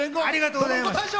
ありがとうございます。